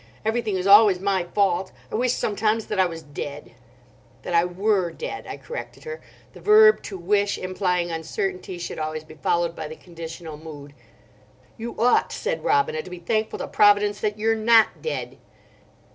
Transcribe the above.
Everything is always my fault. I wish sometimes that I was dead." "That I were dead," I corrected her. "The verb 'to wish,' implying uncertainty, should always be followed by the conditional mood." "You ought," said Robina, "to be thankful to Providence that you're not dead."